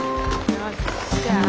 よっしゃ。